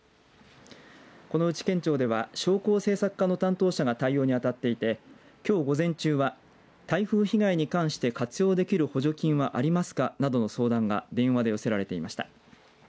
このうち県庁では商工政策課の担当者が対応に当たっていてきょう午前中は、台風被害に関して活用できる補助金はありますかなどの相談が電話で寄せられていました。